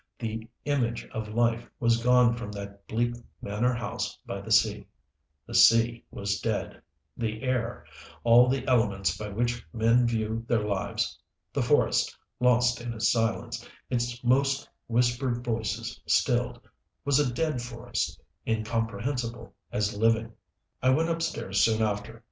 The image of life was gone from that bleak manor house by the sea the sea was dead, the air, all the elements by which men view their lives. The forest, lost in its silence, its most whispered voices stilled, was a dead forest, incomprehensible as living. I went upstairs soon after.